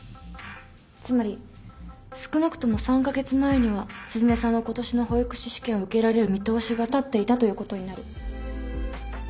つまり少なくとも３カ月前には鈴音さんはことしの保育士試験を受けられる見通しが立っていたということになる。